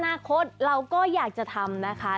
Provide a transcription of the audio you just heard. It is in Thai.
อนาคตเราก็อยากจะทำนะคะ